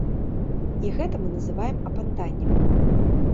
І гэта мы называем апантаннем.